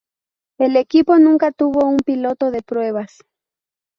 El equipo nunca tuvo un piloto de pruebas.